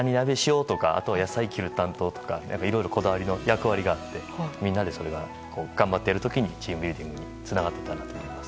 野菜切る担当とかいろいろこだわりの役割があってみんなでそれを頑張ってやる時にチームビルディングにつながってました。